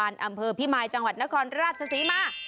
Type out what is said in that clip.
อำเภอพิมายจังหวัดนครราชศรีมา